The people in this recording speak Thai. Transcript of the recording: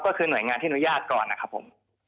ก็คือหน่วยงานที่อนุญาตก่อนนะครับผม